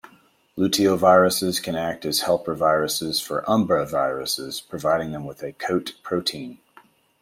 Luteoviruses can act as helper viruses for Umbraviruses, providing them with a coat protein.